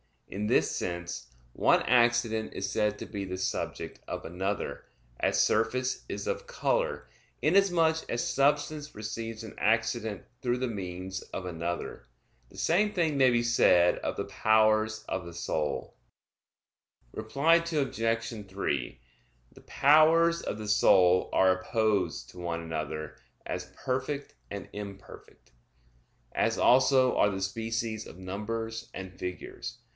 In this sense one accident is said to be the subject of another; as surface is of color, inasmuch as substance receives an accident through the means of another. The same thing may be said of the powers of the soul. Reply Obj. 3: The powers of the soul are opposed to one another, as perfect and imperfect; as also are the species of numbers and figures.